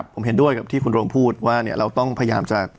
ผมเห็นด้วยกับที่คุณโรงพูดว่าเราต้องพยายามจะ